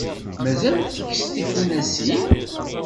Mazal tkess tifunasin?